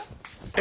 え？